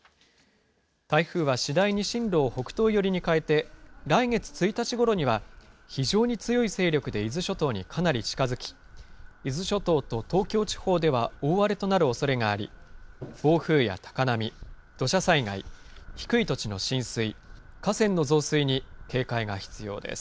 台風は次第に進路を北東寄りに変えて、来月１日ごろには非常に強い勢力で伊豆諸島にかなり近づき、伊豆諸島と東京地方では大荒れとなるおそれがあり、暴風や高波、土砂災害、低い土地の浸水、河川の増水に警戒が必要です。